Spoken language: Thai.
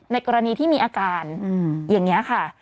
กรณีที่มีอาการอย่างนี้ค่ะ